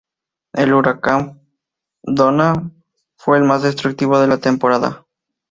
El huracán Donna fue el huracán más destructivo de la temporada.